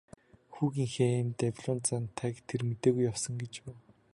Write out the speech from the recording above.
Хүүгийнхээ ийм давилуун зантайг тэр мэдээгүй явсан гэж үү.